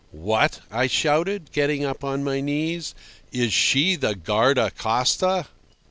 "What?" I shouted, getting up on my knees. "Is she the guardacosta?"